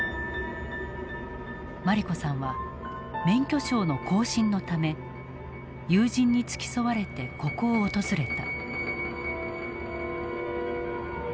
茉莉子さんは免許証の更新のため友人に付き添われてここを訪れた。